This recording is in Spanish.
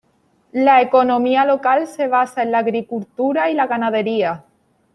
La economía local se basa en la agricultura y la ganadería.